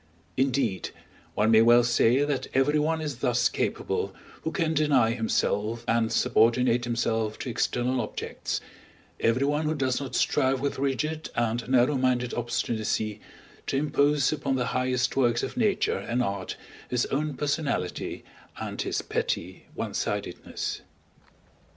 Indeed, one may well say that everyone is thus capable who can deny himself and subordinate himself to external objects, everyone who does not strive with rigid and narrow minded obstinacy to impose upon the highest works of Nature and Art his own personality and his petty onesideness.